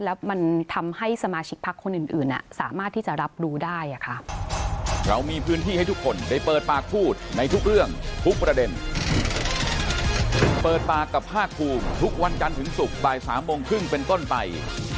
แล้วมันทำให้สมาชิกพักคนอื่นสามารถที่จะรับรู้ได้ค่ะ